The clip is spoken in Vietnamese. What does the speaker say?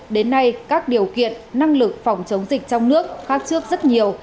đến nay các điều kiện năng lực phòng chống dịch trong nước khác trước rất nhiều